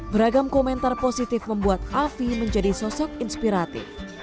beragam komentar positif membuat afi menjadi sosok inspiratif